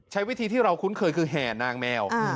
ใช้วิธีที่เราคุ้นเคยคือแห่นางแมว